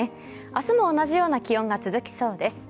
明日も同じような気温が続きそうです。